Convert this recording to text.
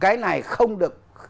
cái này không được